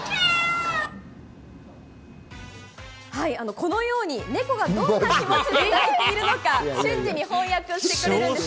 このようにネコがどんな気持ちでいるのか瞬時に翻訳してくれます。